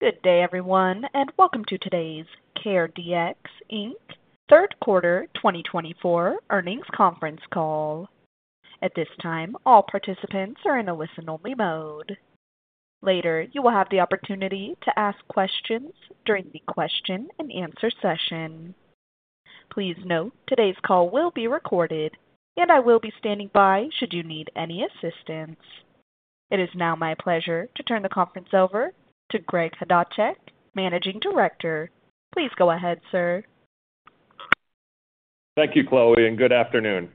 Good day, everyone, and welcome to today's CareDx Inc. Q3 2024 earnings conference call. At this time, all participants are in a listen-only mode. Later, you will have the opportunity to ask questions during the question-and-answer session. Please note, today's call will be recorded, and I will be standing by should you need any assistance. It is now my pleasure to turn the conference over to Greg Chodaczek, Managing Director. Please go ahead, sir. Thank you, Chloe, and good afternoon.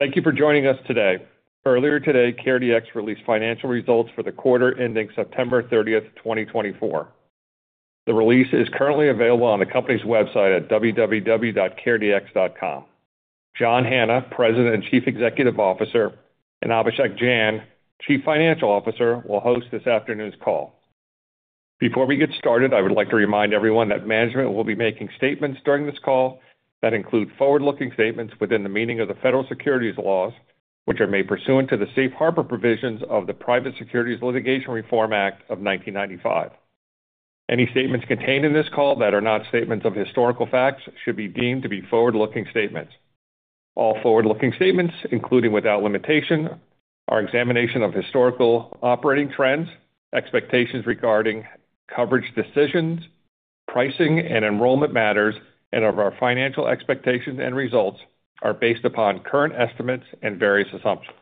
Thank you for joining us today. Earlier today, CareDx released financial results for the quarter ending September 30, 2024. The release is currently available on the company's website at www.caredx.com. John Hanna, President and Chief Executive Officer, and Abhishek Jain, Chief Financial Officer, will host this afternoon's call. Before we get started, I would like to remind everyone that management will be making statements during this call that include forward-looking statements within the meaning of the federal securities laws, which are made pursuant to the safe harbor provisions of the Private Securities Litigation Reform Act of 1995. Any statements contained in this call that are not statements of historical facts should be deemed to be forward-looking statements. All forward-looking statements, including without limitation, our examination of historical operating trends, expectations regarding coverage decisions, pricing, and enrollment matters, and of our financial expectations and results are based upon current estimates and various assumptions.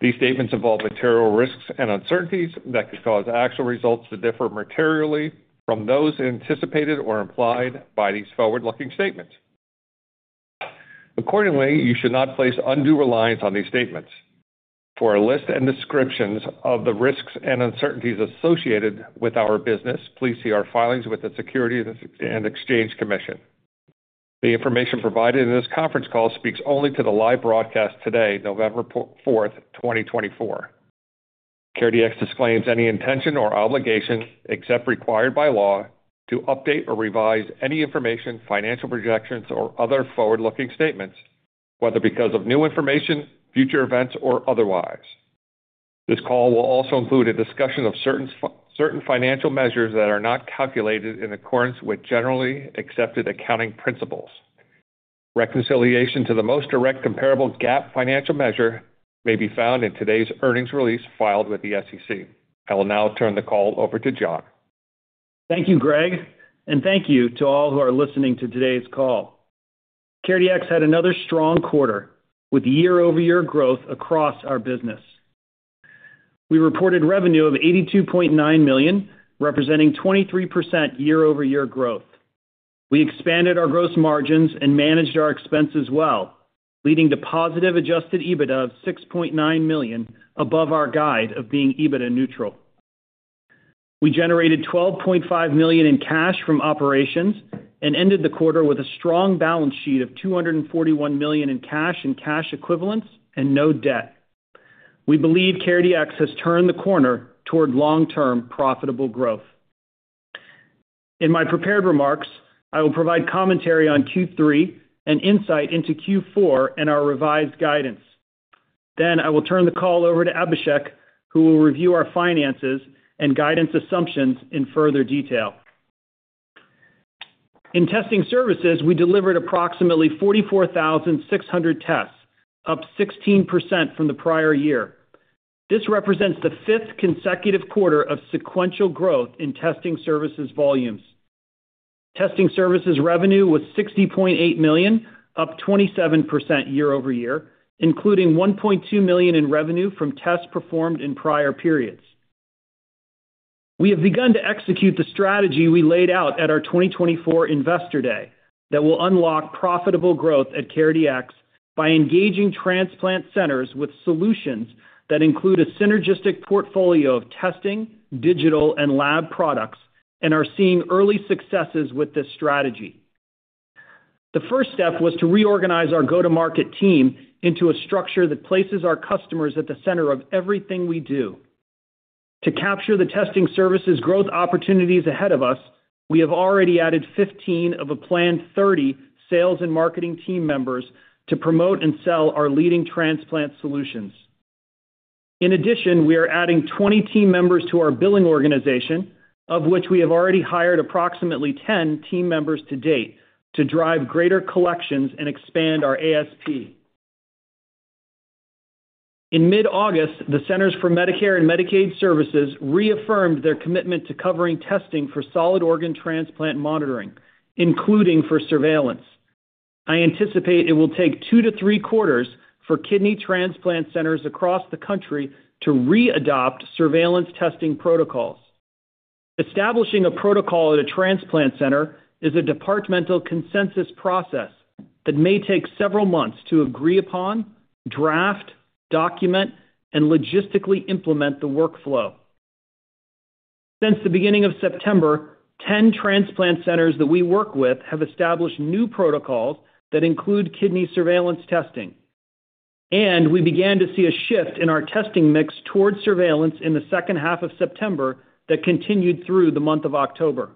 These statements involve material risks and uncertainties that could cause actual results to differ materially from those anticipated or implied by these forward-looking statements. Accordingly, you should not place undue reliance on these statements. For a list and descriptions of the risks and uncertainties associated with our business, please see our filings with the Securities and Exchange Commission. The information provided in this conference call speaks only to the live broadcast today, November 4, 2024. CareDx disclaims any intention or obligation, except required by law, to update or revise any information, financial projections, or other forward-looking statements, whether because of new information, future events, or otherwise. This call will also include a discussion of certain financial measures that are not calculated in accordance with generally accepted accounting principles. Reconciliation to the most directly comparable GAAP financial measure may be found in today's earnings release filed with the SEC. I will now turn the call over to John. Thank you, Greg, and thank you to all who are listening to today's call. CareDx had another strong quarter with year-over-year growth across our business. We reported revenue of $82.9 million, representing 23% year-over-year growth. We expanded our gross margins and managed our expenses well, leading to positive Adjusted EBITDA of $6.9 million above our guide of being EBITDA neutral. We generated $12.5 million in cash from operations and ended the quarter with a strong balance sheet of $241 million in cash and cash equivalents and no debt. We believe CareDx has turned the corner toward long-term profitable growth. In my prepared remarks, I will provide commentary on Q3 and insight into Q4 and our revised guidance. Then, I will turn the call over to Abhishek, who will review our finances and guidance assumptions in further detail. In testing services, we delivered approximately 44,600 tests, up 16% from the prior year. This represents the fifth consecutive quarter of sequential growth in testing services volumes. Testing services revenue was $60.8 million, up 27% year-over-year, including $1.2 million in revenue from tests performed in prior periods. We have begun to execute the strategy we laid out at our 2024 Investor Day that will unlock profitable growth at CareDx by engaging transplant centers with solutions that include a synergistic portfolio of testing, digital, and lab products, and are seeing early successes with this strategy. The first step was to reorganize our go-to-market team into a structure that places our customers at the center of everything we do. To capture the testing services growth opportunities ahead of us, we have already added 15 of a planned 30 sales and marketing team members to promote and sell our leading transplant solutions. In addition, we are adding 20 team members to our billing organization, of which we have already hired approximately 10 team members to date to drive greater collections and expand our ASP. In mid-August, the Centers for Medicare and Medicaid Services reaffirmed their commitment to covering testing for solid organ transplant monitoring, including for surveillance. I anticipate it will take two to three quarters for kidney transplant centers across the country to readopt surveillance testing protocols. Establishing a protocol at a transplant center is a departmental consensus process that may take several months to agree upon, draft, document, and logistically implement the workflow. Since the beginning of September, 10 transplant centers that we work with have established new protocols that include kidney surveillance testing, and we began to see a shift in our testing mix toward surveillance in the second half of September that continued through the month of October.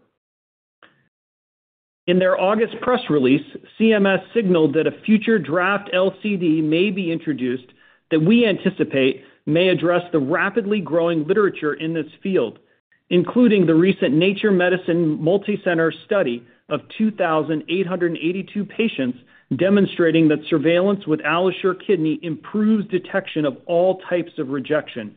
In their August press release, CMS signaled that a future draft LCD may be introduced that we anticipate may address the rapidly growing literature in this field, including the recent Nature Medicine Multi-Center study of 2,882 patients demonstrating that surveillance with AlloSure Kidney improves detection of all types of rejection.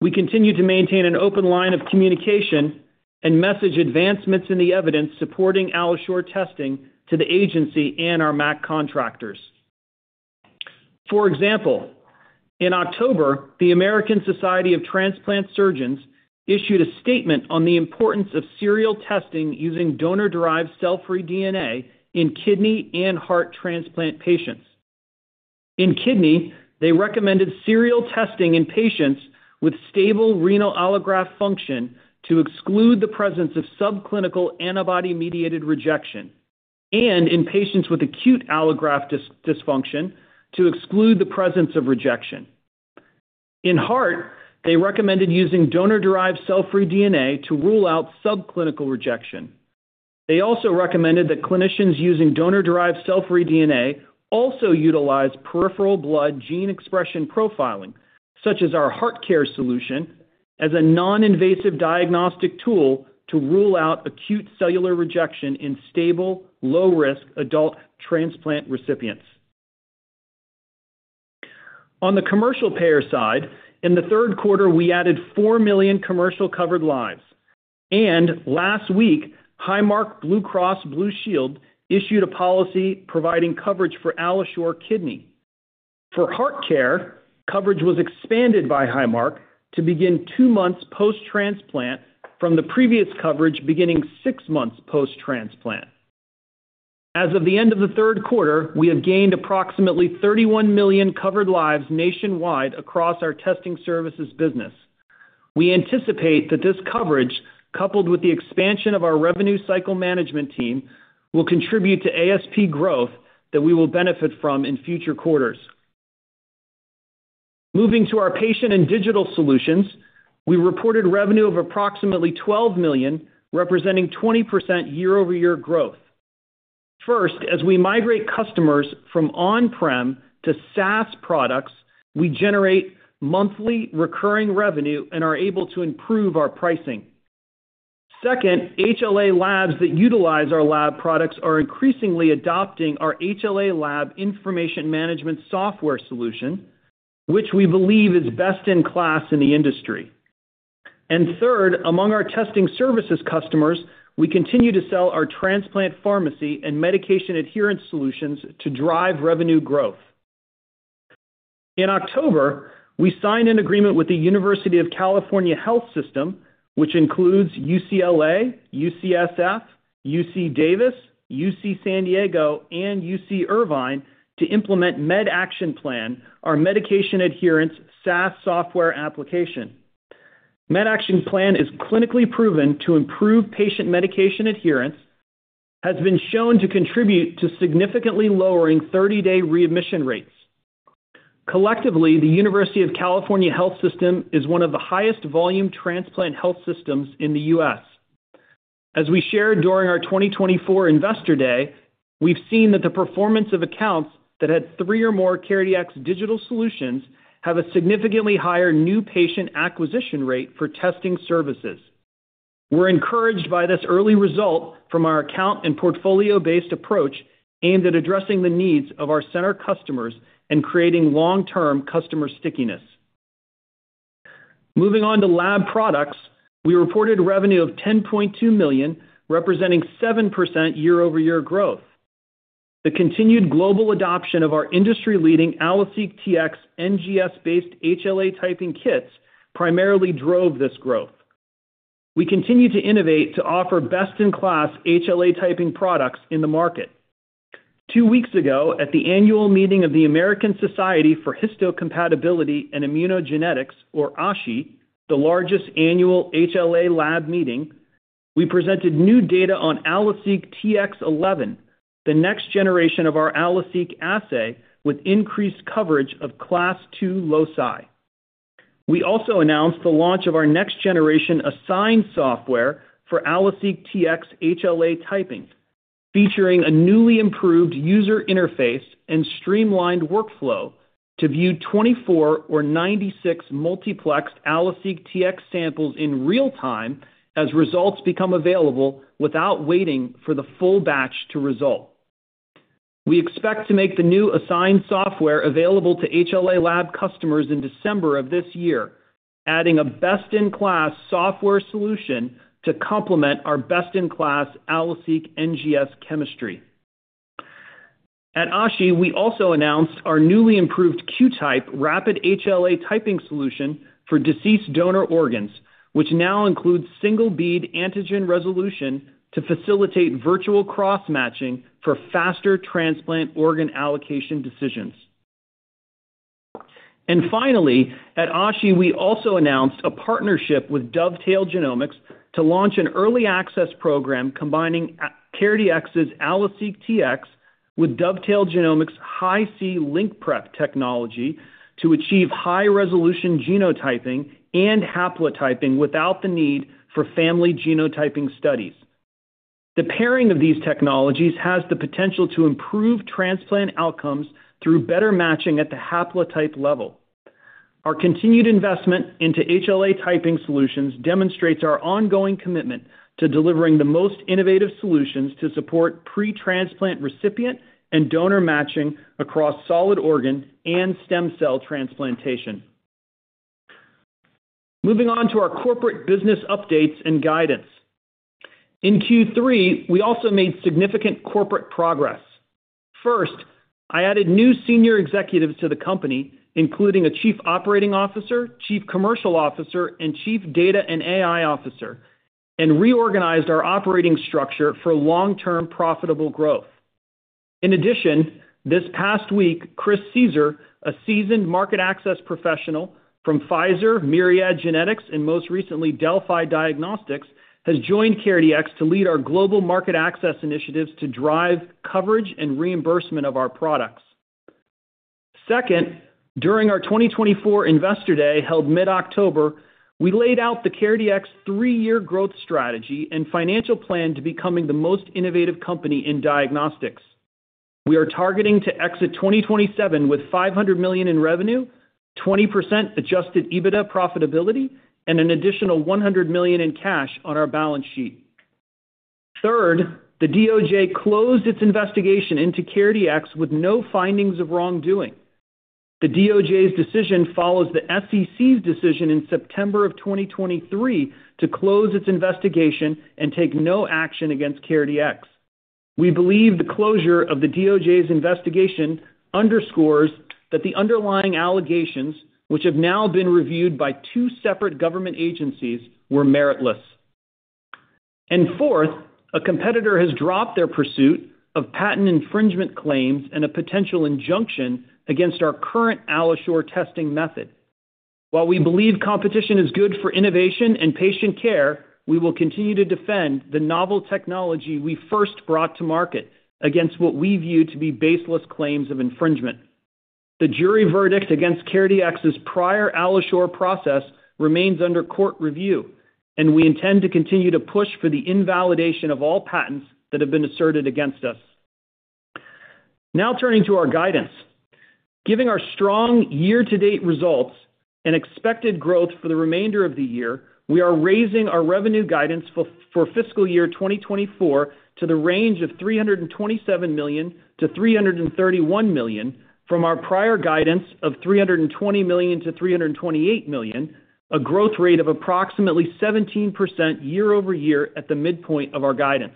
We continue to maintain an open line of communication and message advancements in the evidence supporting AlloSure testing to the agency and our MAC contractors. For example, in October, the American Society of Transplant Surgeons issued a statement on the importance of serial testing using donor-derived cell-free DNA in kidney and heart transplant patients. In kidney, they recommended serial testing in patients with stable renal allograft function to exclude the presence of subclinical antibody-mediated rejection, and in patients with acute allograft dysfunction to exclude the presence of rejection. In heart, they recommended using donor-derived cell-free DNA to rule out subclinical rejection. They also recommended that clinicians using donor-derived cell-free DNA also utilize peripheral blood gene expression profiling, such as our HeartCare solution, as a non-invasive diagnostic tool to rule out acute cellular rejection in stable, low-risk adult transplant recipients. On the commercial payer side, in the third quarter, we added four million commercial covered lives, and last week, Highmark Blue Cross Blue Shield issued a policy providing coverage for AlloSure Kidney. For HeartCare, coverage was expanded by Highmark to begin two months post-transplant from the previous coverage beginning six months post-transplant. As of the end of the third quarter, we have gained approximately 31 million covered lives nationwide across our testing services business. We anticipate that this coverage, coupled with the expansion of our revenue cycle management team, will contribute to ASP growth that we will benefit from in future quarters. Moving to our patient and digital solutions, we reported revenue of approximately $12 million, representing 20% year-over-year growth. First, as we migrate customers from on-prem to SaaS products, we generate monthly recurring revenue and are able to improve our pricing. Second, HLA Labs that utilize our lab products are increasingly adopting our HLA Lab Information Management Software solution, which we believe is best in class in the industry. And third, among our testing services customers, we continue to sell our transplant pharmacy and medication adherence solutions to drive revenue growth. In October, we signed an agreement with the University of California Health System, which includes UCLA, UCSF, UC Davis, UC San Diego, and UC Irvine to implement MedActionPlan, our medication adherence SaaS software application. MedActionPlan is clinically proven to improve patient medication adherence, has been shown to contribute to significantly lowering 30-day readmission rates. Collectively, the University of California Health System is one of the highest volume transplant health systems in the U.S. As we shared during our 2024 Investor Day, we've seen that the performance of accounts that had three or more CareDx digital solutions have a significantly higher new patient acquisition rate for testing services. We're encouraged by this early result from our account and portfolio-based approach aimed at addressing the needs of our center customers and creating long-term customer stickiness. Moving on to lab products, we reported revenue of $10.2 million, representing 7% year-over-year growth. The continued global adoption of our industry-leading AlloSeq Tx NGS-based HLA typing kits primarily drove this growth. We continue to innovate to offer best-in-class HLA typing products in the market. Two weeks ago, at the annual meeting of the American Society for Histocompatibility and Immunogenetics, or ASHI, the largest annual HLA lab meeting, we presented new data on AlloSeq Tx 11, the next generation of our AlloSeq assay with increased coverage of Class II loci. We also announced the launch of our next-generation Assign software for AlloSeq Tx HLA typing, featuring a newly improved user interface and streamlined workflow to view 24 or 96 multiplexed AlloSeq Tx samples in real time as results become available without waiting for the full batch to result. We expect to make the new Assign software available to HLA lab customers in December of this year, adding a best-in-class software solution to complement our best-in-class AlloSeq NGS chemistry. At ASHI, we also announced our newly improved Qtype rapid HLA typing solution for deceased donor organs, which now includes single-bead antigen resolution to facilitate virtual cross-matching for faster transplant organ allocation decisions. And finally, at ASHI, we also announced a partnership with Dovetail Genomics to launch an early access program combining CareDx's AlloSeq Tx with Dovetail Genomics' Hi-C LinkPrep technology to achieve high-resolution genotyping and haplotyping without the need for family genotyping studies. The pairing of these technologies has the potential to improve transplant outcomes through better matching at the haplotype level. Our continued investment into HLA typing solutions demonstrates our ongoing commitment to delivering the most innovative solutions to support pretransplant recipient and donor matching across solid organ and stem cell transplantation. Moving on to our corporate business updates and guidance. In Q3, we also made significant corporate progress. First, I added new senior executives to the company, including a Chief Operating Officer, Chief Commercial Officer, and Chief Data and AI Officer, and reorganized our operating structure for long-term profitable growth. In addition, this past week, Chris Caesar, a seasoned market access professional from Pfizer, Myriad Genetics, and most recently Delfi Diagnostics, has joined CareDx to lead our global market access initiatives to drive coverage and reimbursement of our products. Second, during our 2024 Investor Day held mid-October, we laid out the CareDx three-year growth strategy and financial plan to becoming the most innovative company in diagnostics. We are targeting to exit 2027 with $500 million in revenue, 20% Adjusted EBITDA profitability, and an additional $100 million in cash on our balance sheet. Third, the DOJ closed its investigation into CareDx with no findings of wrongdoing. The DOJ's decision follows the SEC's decision in September of 2023 to close its investigation and take no action against CareDx. We believe the closure of the DOJ's investigation underscores that the underlying allegations, which have now been reviewed by two separate government agencies, were meritless. And fourth, a competitor has dropped their pursuit of patent infringement claims and a potential injunction against our current AlloSure testing method. While we believe competition is good for innovation and patient care, we will continue to defend the novel technology we first brought to market against what we view to be baseless claims of infringement. The jury verdict against CareDx's prior AlloSure process remains under court review, and we intend to continue to push for the invalidation of all patents that have been asserted against us. Now turning to our guidance. Given our strong year-to-date results and expected growth for the remainder of the year, we are raising our revenue guidance for fiscal year 2024 to the range of $327 million-$331 million from our prior guidance of $320 million-$328 million, a growth rate of approximately 17% year-over-year at the midpoint of our guidance.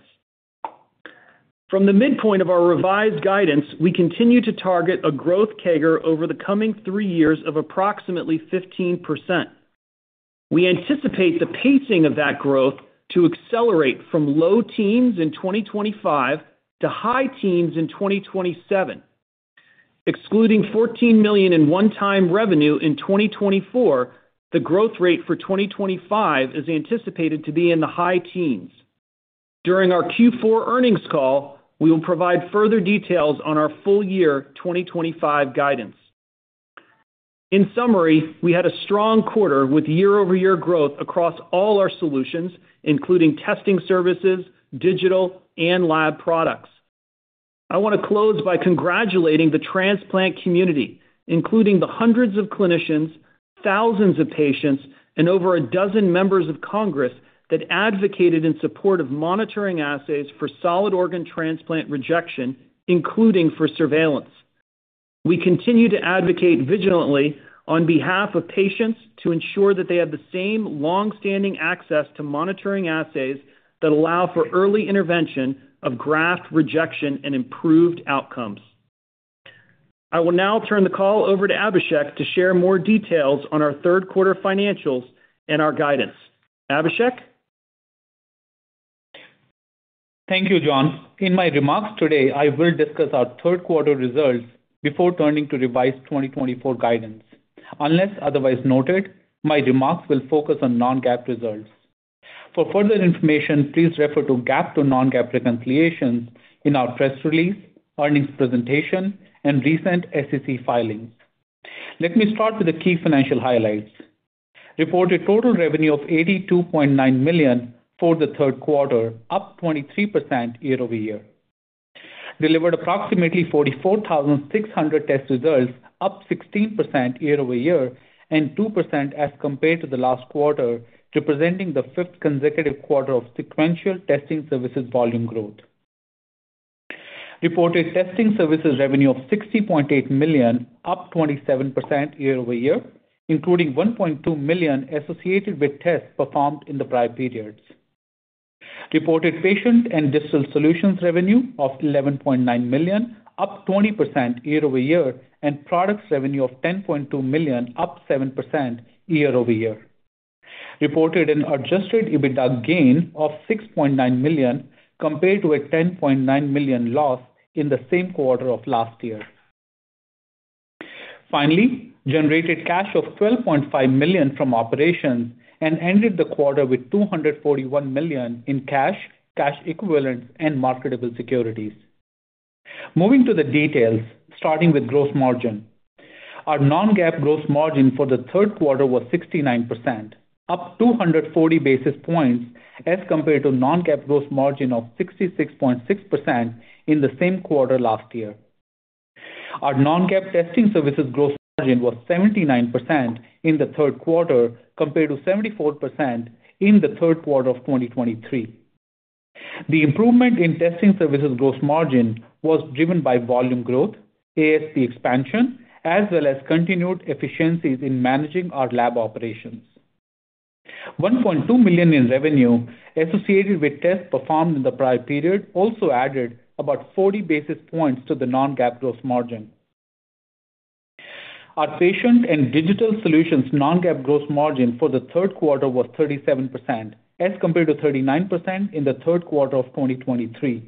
From the midpoint of our revised guidance, we continue to target a growth CAGR over the coming three years of approximately 15%. We anticipate the pacing of that growth to accelerate from low teens in 2025 to high teens in 2027. Excluding $14 million in one-time revenue in 2024, the growth rate for 2025 is anticipated to be in the high teens. During our Q4 earnings call, we will provide further details on our full-year 2025 guidance. In summary, we had a strong quarter with year-over-year growth across all our solutions, including testing services, digital, and lab products. I want to close by congratulating the transplant community, including the hundreds of clinicians, thousands of patients, and over a dozen members of Congress that advocated in support of monitoring assays for solid organ transplant rejection, including for surveillance. We continue to advocate vigilantly on behalf of patients to ensure that they have the same long-standing access to monitoring assays that allow for early intervention of graft rejection and improved outcomes. I will now turn the call over to Abhishek to share more details on our third quarter financials and our guidance. Abhishek? Thank you, John. In my remarks today, I will discuss our third quarter results before turning to revised 2024 guidance. Unless otherwise noted, my remarks will focus on non-GAAP results. For further information, please refer to GAAP to non-GAAP reconciliations in our press release, earnings presentation, and recent SEC filings. Let me start with the key financial highlights. Reported total revenue of $82.9 million for the third quarter, up 23% year-over-year. Delivered approximately 44,600 test results, up 16% year-over-year and 2% as compared to the last quarter, representing the fifth consecutive quarter of sequential testing services volume growth. Reported testing services revenue of $60.8 million, up 27% year-over-year, including $1.2 million associated with tests performed in the prior periods. Reported patient and digital solutions revenue of $11.9 million, up 20% year-over-year, and products revenue of $10.2 million, up 7% year-over-year. Reported and adjusted EBITDA gain of $6.9 million compared to a $10.9 million loss in the same quarter of last year. Finally, generated cash of $12.5 million from operations and ended the quarter with $241 million in cash, cash equivalents, and marketable securities. Moving to the details, starting with gross margin. Our non-GAAP gross margin for the third quarter was 69%, up 240 basis points as compared to non-GAAP gross margin of 66.6% in the same quarter last year. Our non-GAAP testing services gross margin was 79% in the third quarter compared to 74% in the third quarter of 2023. The improvement in testing services gross margin was driven by volume growth, ASP expansion, as well as continued efficiencies in managing our lab operations. $1.2 million in revenue associated with tests performed in the prior period also added about 40 basis points to the non-GAAP gross margin. Our patient and digital solutions non-GAAP gross margin for the third quarter was 37% as compared to 39% in the third quarter of 2023.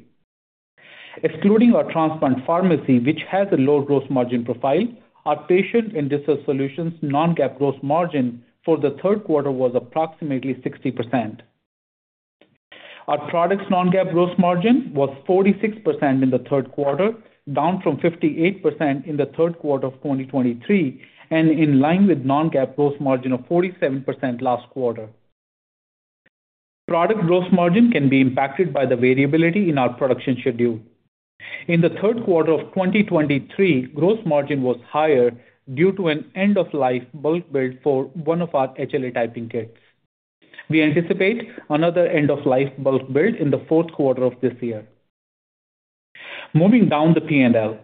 Excluding our transplant pharmacy, which has a low gross margin profile, our patient and digital solutions non-GAAP gross margin for the third quarter was approximately 60%. Our products non-GAAP gross margin was 46% in the third quarter, down from 58% in the third quarter of 2023, and in line with non-GAAP gross margin of 47% last quarter. Product gross margin can be impacted by the variability in our production schedule. In the third quarter of 2023, gross margin was higher due to an end-of-life bulk build for one of our HLA typing kits. We anticipate another end-of-life bulk build in the fourth quarter of this year. Moving down the P&L,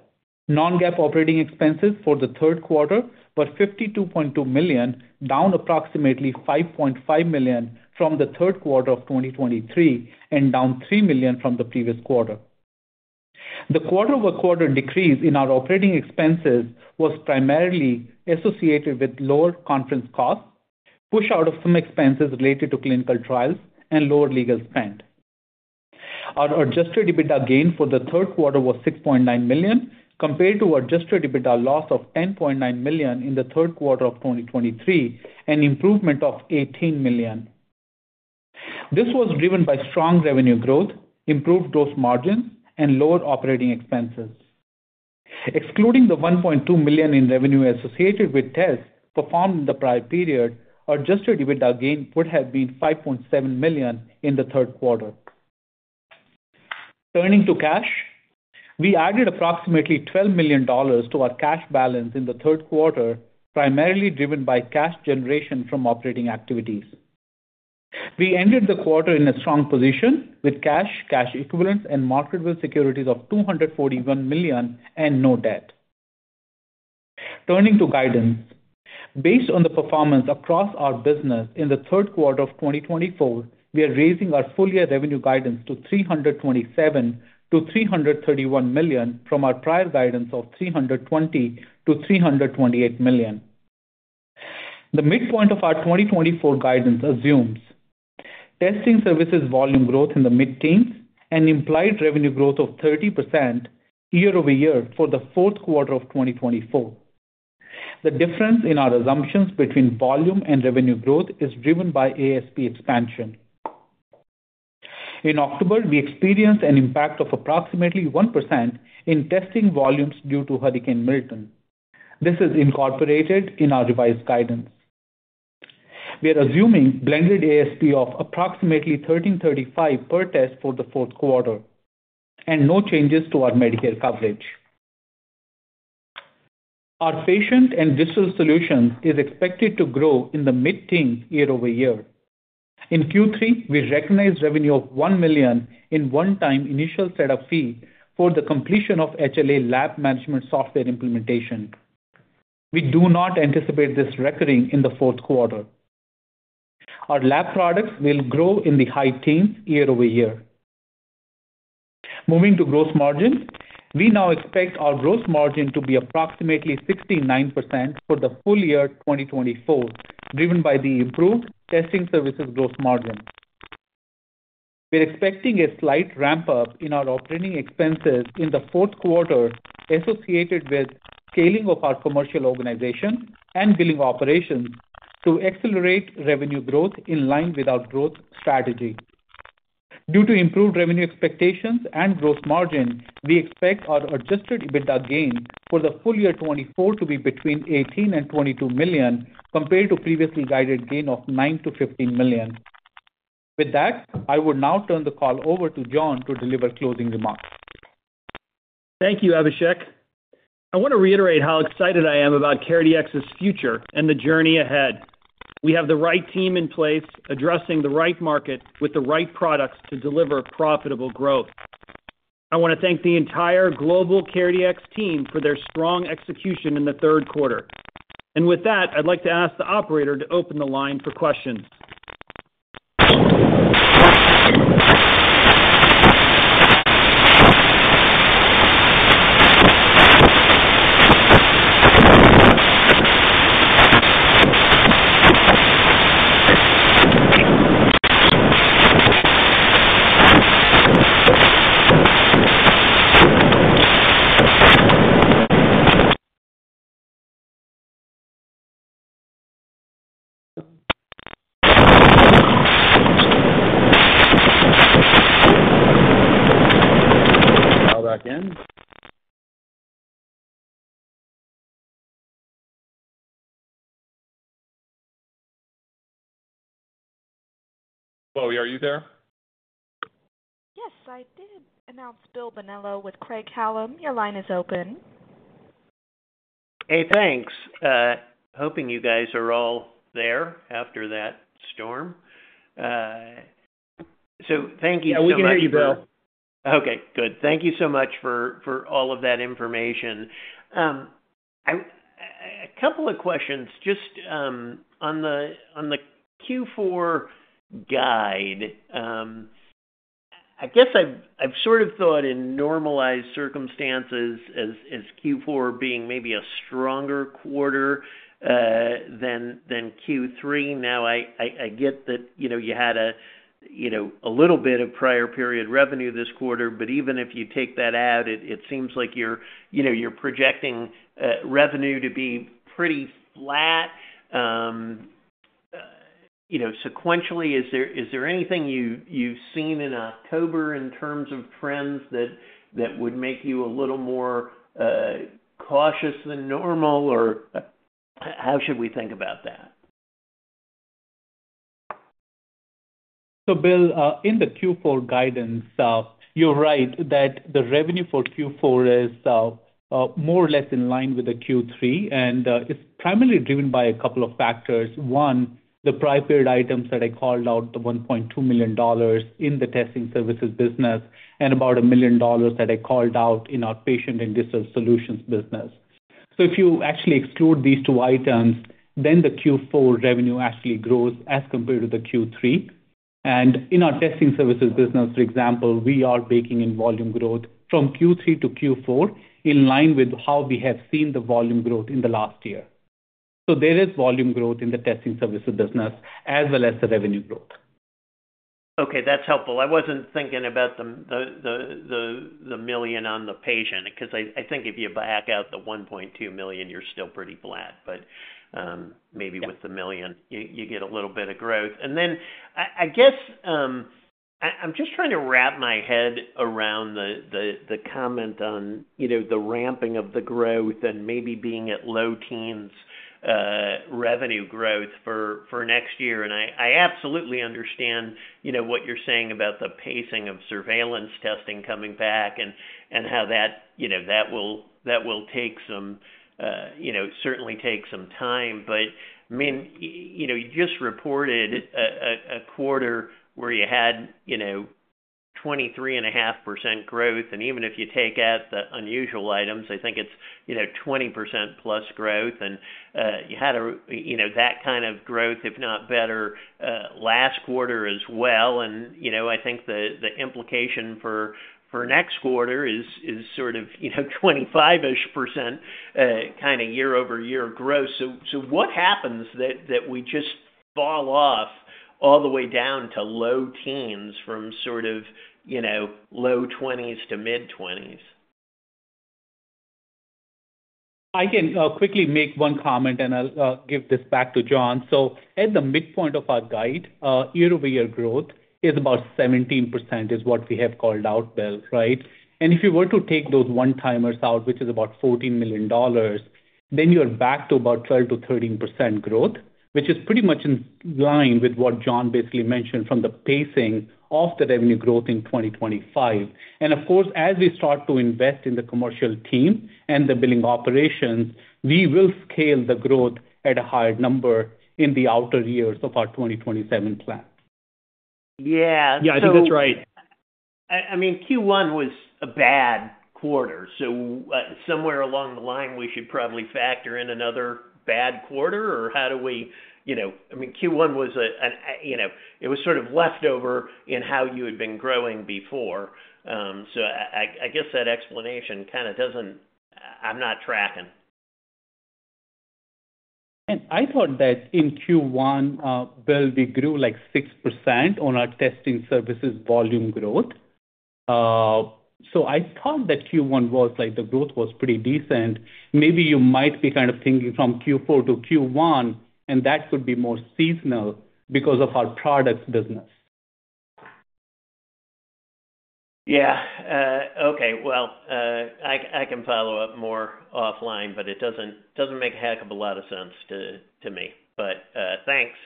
non-GAAP operating expenses for the third quarter were $52.2 million, down approximately $5.5 million from the third quarter of 2023 and down $3 million from the previous quarter. The quarter-over-quarter decrease in our operating expenses was primarily associated with lower conference costs, push-out of some expenses related to clinical trials, and lower legal spend. Our adjusted EBITDA gain for the third quarter was $6.9 million, compared to adjusted EBITDA loss of $10.9 million in the third quarter of 2023 and improvement of $18 million. This was driven by strong revenue growth, improved gross margins, and lower operating expenses. Excluding the $1.2 million in revenue associated with tests performed in the prior period, adjusted EBITDA gain would have been $5.7 million in the third quarter. Turning to cash, we added approximately $12 million to our cash balance in the third quarter, primarily driven by cash generation from operating activities. We ended the quarter in a strong position with cash, cash equivalents, and marketable securities of $241 million and no debt. Turning to guidance, based on the performance across our business in the third quarter of 2024, we are raising our full-year revenue guidance to $327-$331 million from our prior guidance of $320-$328 million. The midpoint of our 2024 guidance assumes testing services volume growth in the mid-teens and implied revenue growth of 30% year-over-year for the fourth quarter of 2024. The difference in our assumptions between volume and revenue growth is driven by ASP expansion. In October, we experienced an impact of approximately 1% in testing volumes due to Hurricane Milton. This is incorporated in our revised guidance. We are assuming blended ASP of approximately $13.35 per test for the fourth quarter and no changes to our Medicare coverage. Our patient and digital solutions is expected to grow in the mid-teens year-over-year. In Q3, we recognized revenue of $1 million in one-time initial setup fee for the completion of HLA lab management software implementation. We do not anticipate this recurring in the fourth quarter. Our lab products will grow in the high teens year-over-year. Moving to gross margin, we now expect our gross margin to be approximately 69% for the full year 2024, driven by the improved testing services gross margin. We're expecting a slight ramp-up in our operating expenses in the fourth quarter associated with scaling of our commercial organization and billing operations to accelerate revenue growth in line with our growth strategy. Due to improved revenue expectations and gross margin, we expect our Adjusted EBITDA gain for the full year 2024 to be between $18 and $22 million compared to previously guided gain of $9-$15 million. With that, I would now turn the call over to John to deliver closing remarks. Thank you, Abhishek. I want to reiterate how excited I am about CareDx's future and the future ahead. We have the right team in place, addressing the right market with the right products to deliver profitable growth. I want to thank the entire global CareDx team for their strong execution in the third quarter. And with that, I'd like to ask the operator to open the line for questions. Chloe, are you there? Yes, I did announce Bill Bonello with Craig-Hallum. Your line is open. Hey, thanks. Hoping you guys are all there after that storm. So thank you so much. Yeah, we can hear you, Bill. Okay, good. Thank you so much for all of that information. A couple of questions just on the Q4 guide. I guess I've sort of thought in normalized circumstances as Q4 being maybe a stronger quarter than Q3. Now, I get that you had a little bit of prior-period revenue this quarter, but even if you take that out, it seems like you're projecting revenue to be pretty flat sequentially. Is there anything you've seen in October in terms of trends that would make you a little more cautious than normal, or how should we think about that? So Bill, in the Q4 guidance, you're right that the revenue for Q4 is more or less in line with the Q3, and it's primarily driven by a couple of factors. One, the prior-period items that I called out, the $1.2 million in the testing services business and about $1 million that I called out in our patient and digital solutions business. So if you actually exclude these two items, then the Q4 revenue actually grows as compared to the Q3. And in our testing services business, for example, we are baking in volume growth from Q3 to Q4 in line with how we have seen the volume growth in the last year. So there is volume growth in the testing services business as well as the revenue growth. Okay, that's helpful. I wasn't thinking about the million on the patient because I think if you back out the $1.2 million, you're still pretty flat. But maybe with the million, you get a little bit of growth and then I guess I'm just trying to wrap my head around the comment on the ramping of the growth and maybe being at low teens revenue growth for next year. And I absolutely understand what you're saying about the pacing of surveillance testing coming back and how that will take some time, certainly. But I mean, you just reported a quarter where you had 23.5% growth. And even if you take out the unusual items, I think it's 20% plus growth. And you had that kind of growth, if not better, last quarter as well. And I think the implication for next quarter is sort of 25-ish% kind of year-over-year growth. So what happens that we just fall off all the way down to low teens from sort of low 20s to mid-20s? I can quickly make one comment, and I'll give this back to John. So at the midpoint of our guide, year-over-year growth is about 17% is what we have called out, Bill, right? And if you were to take those one-timers out, which is about $14 million, then you're back to about 12%-13% growth, which is pretty much in line with what John basically mentioned from the pacing of the revenue growth in 2025. And of course, as we start to invest in the commercial team and the billing operations, we will scale the growth at a higher number in the outer years of our 2027 plan. Yeah. Yeah, I think that's right. I mean, Q1 was a bad quarter. So somewhere along the line, we should probably factor in another bad quarter, or how do we? I mean, Q1 was, it was sort of leftover in how you had been growing before. So I guess that explanation kind of doesn't. I'm not tracking. And I thought that in Q1, Bill, we grew like 6% on our testing services volume growth. So I thought that Q1 was like the growth was pretty decent. Maybe you might be kind of thinking from Q4 to Q1, and that could be more seasonal because of our products business. Yeah. Okay. Well, I can follow up more offline, but it doesn't make a heck of a lot of sense to me. But thanks.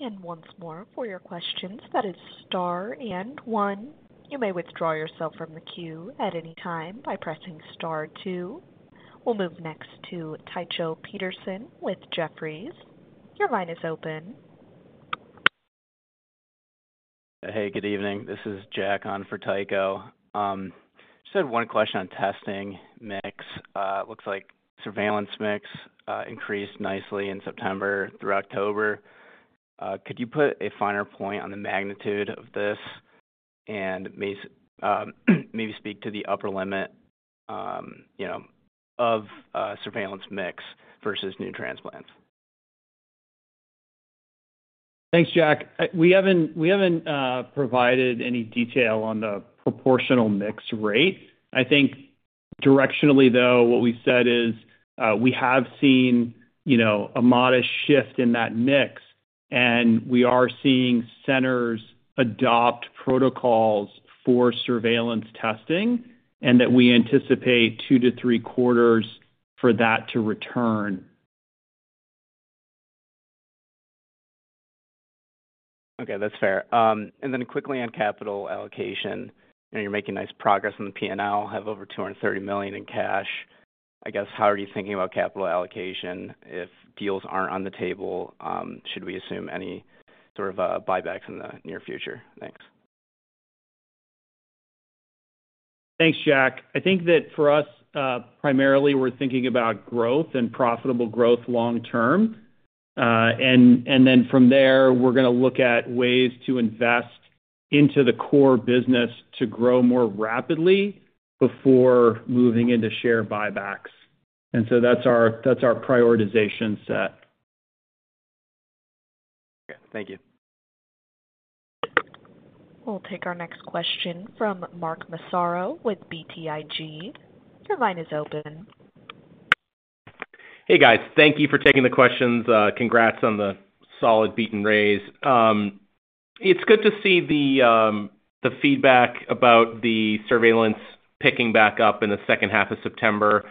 And once more, for your questions, that is star and one. You may withdraw yourself from the queue at any time by pressing star two. We'll move next to Tycho Peterson with Jefferies. Your line is open. Hey, good evening. This is Jack on for Tycho. Just had one question on testing mix. Looks like surveillance mix increased nicely in September through October. Could you put a finer point on the magnitude of this and maybe speak to the upper limit of surveillance mix versus new transplants? Thanks, Jack. We haven't provided any detail on the proportional mix rate. I think directionally, though, what we said is we have seen a modest shift in that mix, and we are seeing centers adopt protocols for surveillance testing and that we anticipate two to three quarters for that to return. Okay, that's fair. And then quickly on capital allocation, you're making nice progress on the P&L, have over $230 million in cash. I guess, how are you thinking about capital allocation if deals aren't on the table? Should we assume any sort of buybacks in the near future? Thanks. Thanks, Jack. I think that for us, primarily, we're thinking about growth and profitable growth long-term. And then from there, we're going to look at ways to invest into the core business to grow more rapidly before moving into share buybacks. And so that's our prioritization set. Okay. Thank you. We'll take our next question from Mark Massaro with BTIG. Your line is open. Hey, guys. Thank you for taking the questions. Congrats on the solid beat and raise. It's good to see the feedback about the surveillance picking back up in the second half of September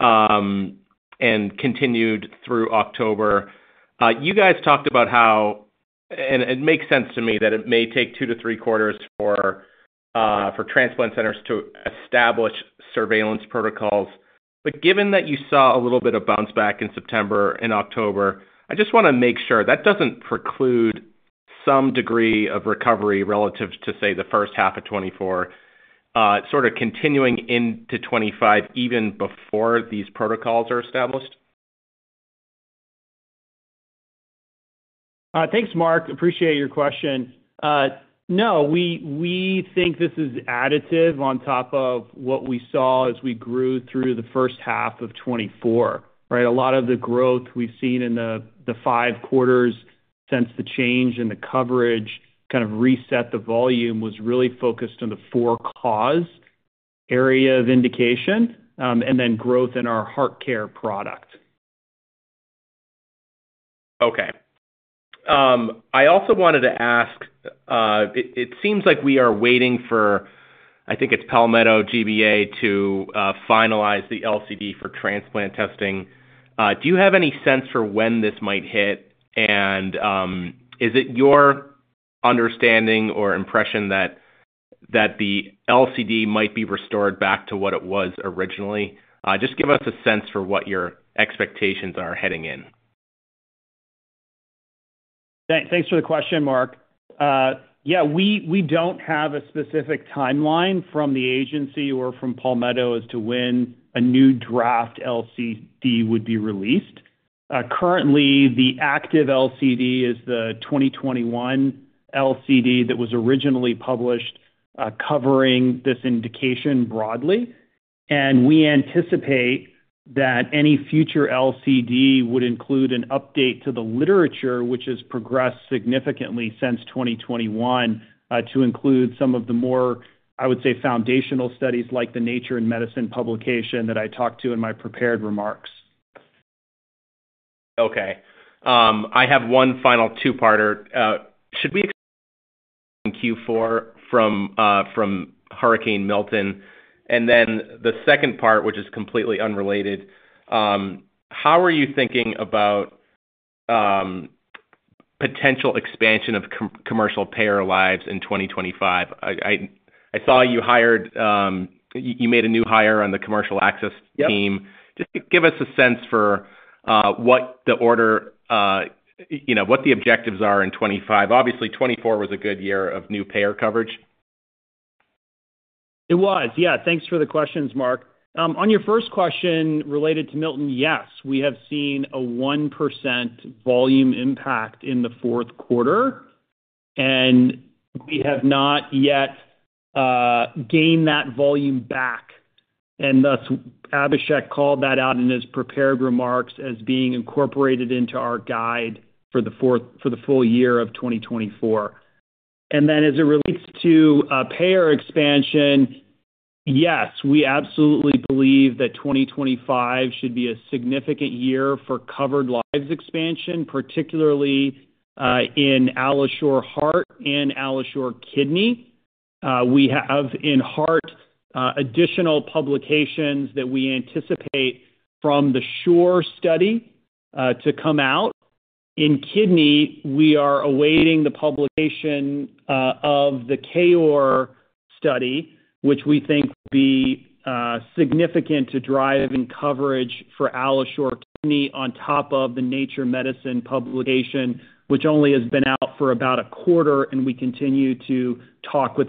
and continued through October. You guys talked about how it makes sense to me that it may take two to three quarters for transplant centers to establish surveillance protocols. But given that you saw a little bit of bounce back in September and October, I just want to make sure that doesn't preclude some degree of recovery relative to, say, the first half of 2024, sort of continuing into 2025 even before these protocols are established. Thanks, Mark. Appreciate your question. No, we think this is additive on top of what we saw as we grew through the first half of 2024, right? A lot of the growth we've seen in the five quarters since the change in the coverage kind of reset the volume was really focused on the four-cause area of indication and then growth in our heart care product. Okay. I also wanted to ask, it seems like we are waiting for, I think it's Palmetto GBA, to finalize the LCD for transplant testing. Do you have any sense for when this might hit? Is it your understanding or impression that the LCD might be restored back to what it was originally? Just give us a sense for what your expectations are heading in. Thanks for the question, Mark. Yeah, we don't have a specific timeline from the agency or from Palmetto as to when a new draft LCD would be released. Currently, the active LCD is the 2021 LCD that was originally published covering this indication broadly. And we anticipate that any future LCD would include an update to the literature, which has progressed significantly since 2021, to include some of the more, I would say, foundational studies like the Nature Medicine publication that I talked to in my prepared remarks. Okay. I have one final two-parter. Should we exclude Q4 from Hurricane Milton? And then the second part, which is completely unrelated, how are you thinking about potential expansion of commercial payer lives in 2025? I saw you made a new hire on the commercial access team. Just give us a sense for what the order, what the objectives are in 2025. Obviously, 2024 was a good year of new payer coverage. It was. Yeah. Thanks for the questions, Mark. On your first question related to Milton, yes, we have seen a 1% volume impact in the fourth quarter, and we have not yet gained that volume back. And thus, Abhishek called that out in his prepared remarks as being incorporated into our guide for the full year of 2024. And then as it relates to payer expansion, yes, we absolutely believe that 2025 should be a significant year for covered lives expansion, particularly in AlloSure Heart and AlloSure Kidney. We have in Heart additional publications that we anticipate from the SHORE study to come out. In Kidney, we are awaiting the publication of the KOAR study, which we think will be significant to drive in coverage for AlloSure Kidney on top of the Nature Medicine publication, which only has been out for about a quarter, and we continue to talk with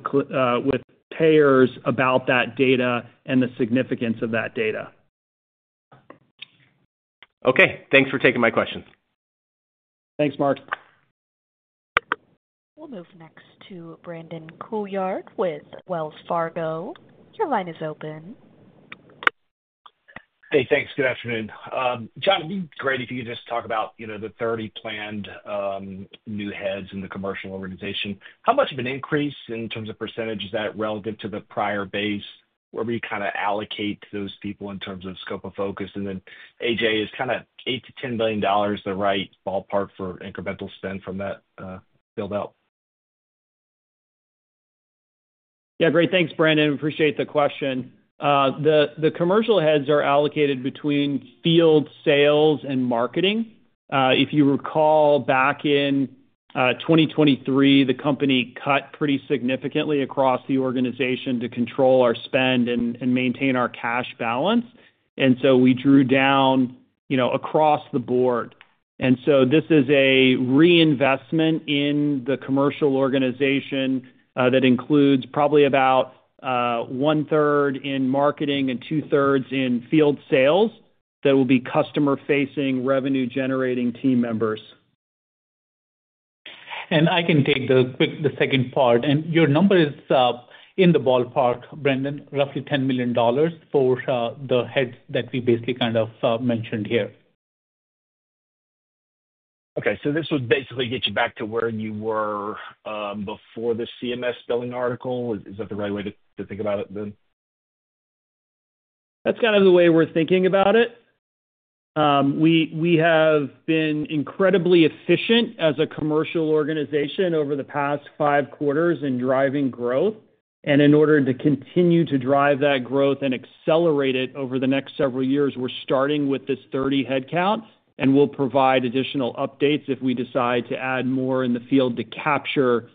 payers about that data and the significance of that data. Okay. Thanks for taking my question. Thanks, Mark. We'll move next to Brandon Couillard with Wells Fargo. Your line is open. Hey, thanks. Good afternoon. John, it'd be great if you could just talk about the 30 planned new heads in the commercial organization. How much of an increase in terms of percentage is that relative to the prior base? Where would you kind of allocate those people in terms of scope of focus? And then, AJ, is kind of $8-$10 million the right ballpark for incremental spend from that build-up? Yeah. Great. Thanks, Brandon. Appreciate the question. The commercial heads are allocated between field sales and marketing. If you recall, back in 2023, the company cut pretty significantly across the organization to control our spend and maintain our cash balance. And so we drew down across the board. And so this is a reinvestment in the commercial organization that includes probably about one-third in marketing and two-thirds in field sales that will be customer-facing revenue-generating team members. And I can take the second part. And your number is in the ballpark, Brandon, roughly $10 million for the heads that we basically kind of mentioned here. Okay. So this would basically get you back to where you were before the CMS billing article? Is that the right way to think about it then? That's kind of the way we're thinking about it. We have been incredibly efficient as a commercial organization over the past five quarters in driving growth. In order to continue to drive that growth and accelerate it over the next several years, we're starting with this 30 head count, and we'll provide additional updates if we decide to add more in the field to capture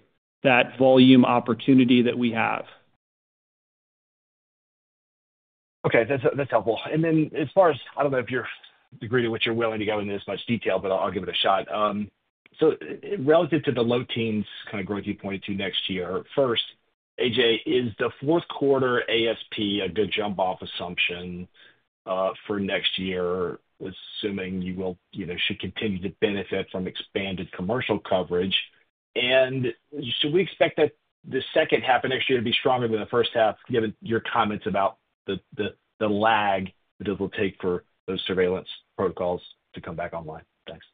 that volume opportunity that we have. Okay. That's helpful. And then as far as, I don't know if you're agreeable to what you're willing to go into as much detail, but I'll give it a shot. So relative to the low teens kind of growth you pointed to next year, first, AJ, is the fourth quarter ASP a good jump-off assumption for next year, assuming you should continue to benefit from expanded commercial coverage? Should we expect that the second half of next year to be stronger than the first half, given your comments about the lag that it will take for those surveillance protocols to come back online? Thanks.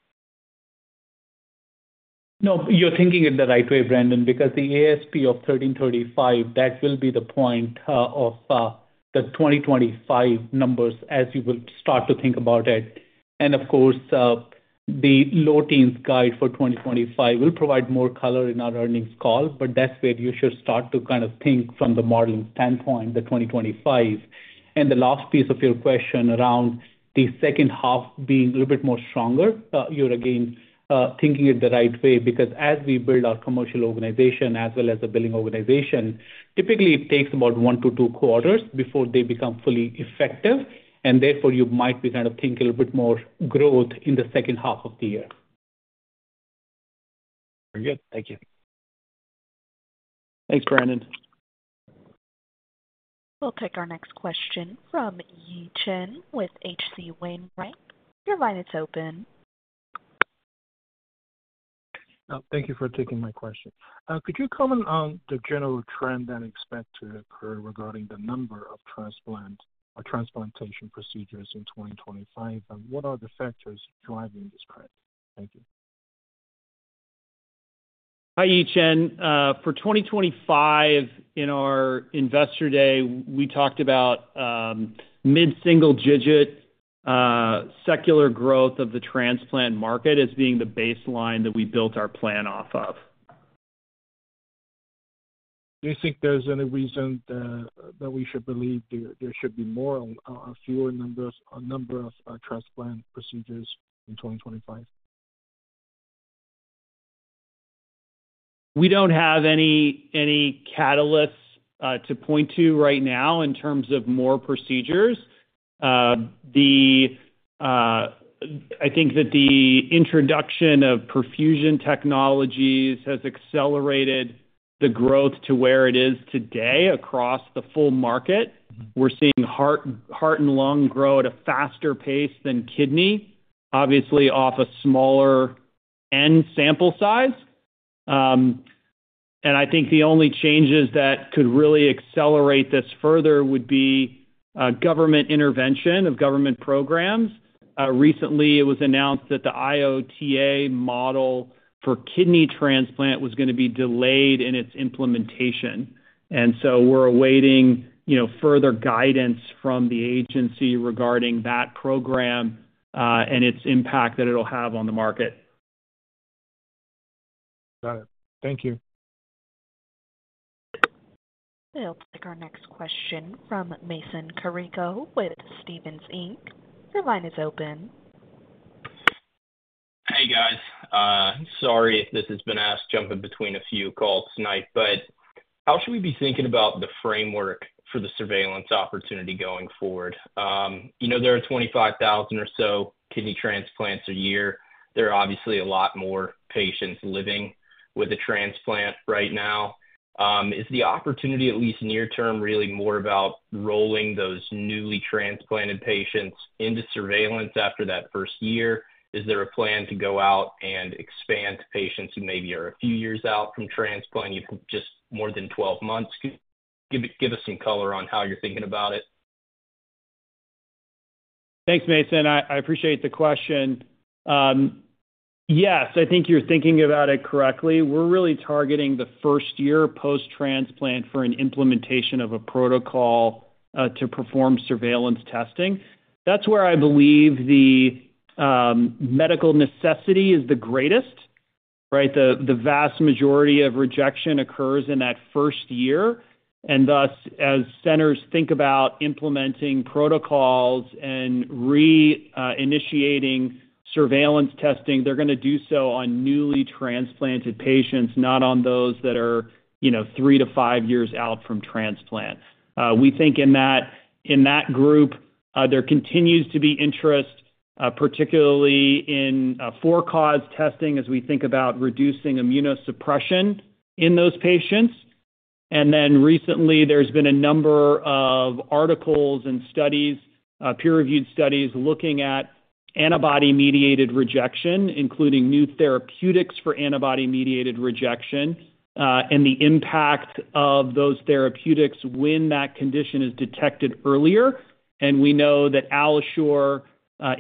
No, you're thinking in the right way, Brandon, because the ASP of $1,335, that will be the point of the 2025 numbers as you will start to think about it. And of course, the low teens guide for 2025 will provide more color in our earnings call, but that's where you should start to kind of think from the modeling standpoint, the 2025. And the last piece of your question around the second half being a little bit more stronger, you're again thinking in the right way because as we build our commercial organization as well as a billing organization, typically it takes about one to two quarters before they become fully effective. Therefore, you might be kind of thinking a little bit more growth in the second half of the year. Very good. Thank you. Thanks, Brandon. We'll take our next question from Yi Chen with H.C. Wainwright. Your line is open. Thank you for taking my question. Could you comment on the general trend that's expected to occur regarding the number of transplant or transplantation procedures in 2025? And what are the factors driving this trend? Thank you. Hi, Yi Chen. For 2025, in our investor day, we talked about mid-single-digit secular growth of the transplant market as being the baseline that we built our plan off of. Do you think there's any reason that we should believe there should be more or fewer numbers or number of transplant procedures in 2025? We don't have any catalysts to point to right now in terms of more procedures. I think that the introduction of perfusion technologies has accelerated the growth to where it is today across the full market. We're seeing heart and lung grow at a faster pace than kidney, obviously off a smaller end sample size. And I think the only changes that could really accelerate this further would be government intervention of government programs. Recently, it was announced that the IOTA model for kidney transplant was going to be delayed in its implementation. And so we're awaiting further guidance from the agency regarding that program and its impact that it'll have on the market. Got it. Thank you. We'll take our next question from Mason Carrico with Stephens Inc. Your line is open. Hey, guys. Sorry if this has been us jumping between a few calls tonight, but how should we be thinking about the framework for the surveillance opportunity going forward? There are 25,000 or so kidney transplants a year. There are obviously a lot more patients living with a transplant right now. Is the opportunity at least near-term really more about rolling those newly transplanted patients into surveillance after that first year? Is there a plan to go out and expand to patients who maybe are a few years out from transplant, just more than 12 months? Give us some color on how you're thinking about it. Thanks, Mason. I appreciate the question. Yes, I think you're thinking about it correctly. We're really targeting the first year post-transplant for an implementation of a protocol to perform surveillance testing. That's where I believe the medical necessity is the greatest, right? The vast majority of rejection occurs in that first year. Thus, as centers think about implementing protocols and re-initiating surveillance testing, they're going to do so on newly transplanted patients, not on those that are three to five years out from transplant. We think in that group, there continues to be interest, particularly in for-cause testing as we think about reducing immunosuppression in those patients. And then recently, there's been a number of articles and studies, peer-reviewed studies looking at antibody-mediated rejection, including new therapeutics for antibody-mediated rejection and the impact of those therapeutics when that condition is detected earlier. And we know that AlloSure,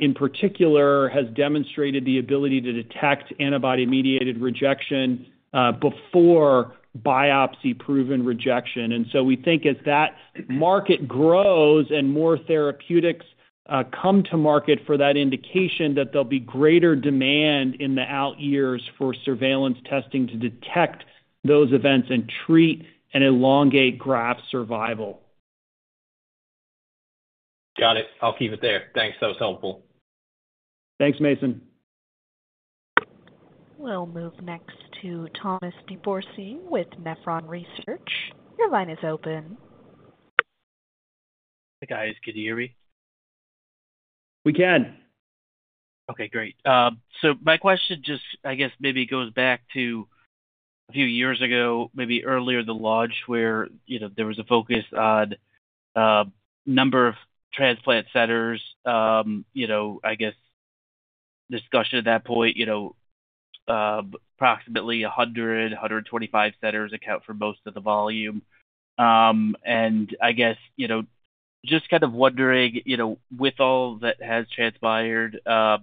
in particular, has demonstrated the ability to detect antibody-mediated rejection before biopsy-proven rejection. And so we think as that market grows and more therapeutics come to market for that indication, that there'll be greater demand in the out years for surveillance testing to detect those events and treat and elongate graft survival. Got it. I'll keep it there. Thanks. That was helpful. Thanks, Mason. We'll move next to Thomas DuBose with Nephron Research. Your line is open. Hey, guys. Can you hear me? We can. Okay. Great. So my question just, I guess, maybe goes back to a few years ago, maybe earlier in the launch where there was a focus on number of transplant centers. I guess discussion at that point, approximately 100, 125 centers account for most of the volume. And I guess just kind of wondering, with all that has transpired, I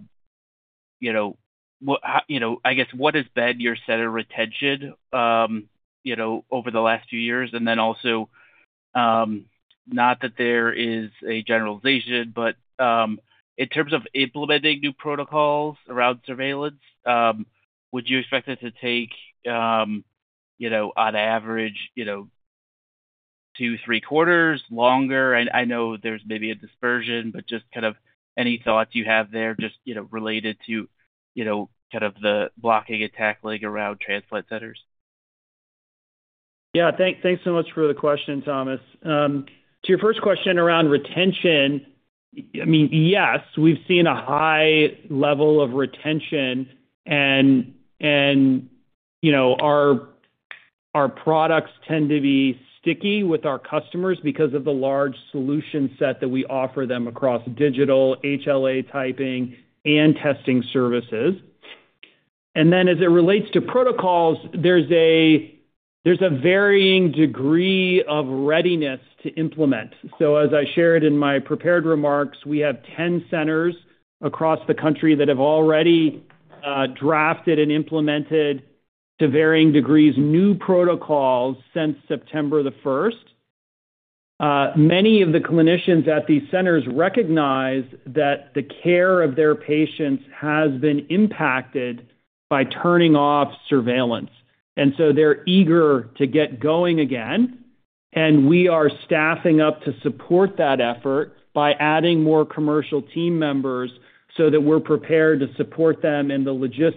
guess, what has been your center retention over the last few years? And then also, not that there is a generalization, but in terms of implementing new protocols around surveillance, would you expect it to take, on average, two, three quarters, longer? I know there's maybe a discussion, but just kind of any thoughts you have there just related to kind of the blocking and tackling around transplant centers? Yeah. Thanks so much for the question, Thomas. To your first question around retention, I mean, yes, we've seen a high level of retention, and our products tend to be sticky with our customers because of the large solution set that we offer them across digital HLA typing and testing services. And then as it relates to protocols, there's a varying degree of readiness to implement. So as I shared in my prepared remarks, we have 10 centers across the country that have already drafted and implemented to varying degrees new protocols since September the 1st. Many of the clinicians at these centers recognize that the care of their patients has been impacted by turning off surveillance. And so they're eager to get going again. And we are staffing up to support that effort by adding more commercial team members so that we're prepared to support them in the logistics.